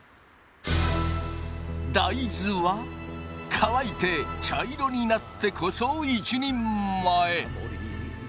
大豆は乾いて茶色になってこそ一人前！